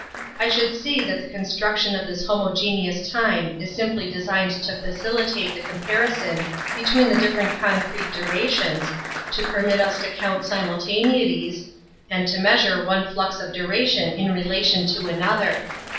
I should see that the construction of this homogeneous time is simply designed to facilitate the comparison between the different concrete durations, to permit us to count simulta neities, and to measure one flux of duration Metaphysics 47 in relation to another.